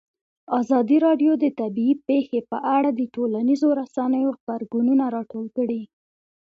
ازادي راډیو د طبیعي پېښې په اړه د ټولنیزو رسنیو غبرګونونه راټول کړي.